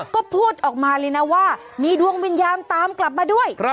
ก็พูดออกมาเลยนะว่ามีดวงวิญญาณตามกลับมาด้วย